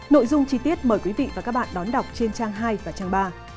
nội dung chi tiết mời quý vị và các bạn đón đọc trên trang hai và trang ba